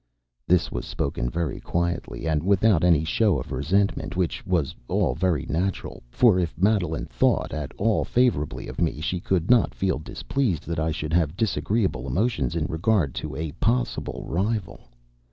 This was spoken very quietly, and without any show of resentment, which was all very natural, for if Madeline thought at all favorably of me she could not feel displeased that I should have disagreeable emotions in regard to a possible rival.